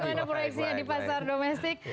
bagaimana proyeksinya di pasar domestik